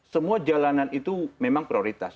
semua jalanan itu memang prioritas